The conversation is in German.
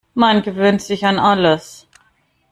Man gewöhnt sich an alles.